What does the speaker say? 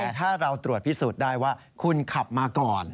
แต่ถ้าเราตรวจพิสูจน์ได้ว่าคุณขับมาก่อน